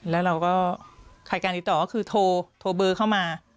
แล้วเราก็ใครการติดต่อก็คือโทรเบอร์เข้ามา